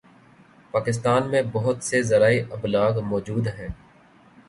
پاکستان میں بہت سے ذرائع ابلاغ موجود ہیں